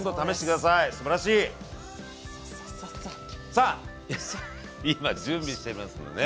さあ今準備してますのでね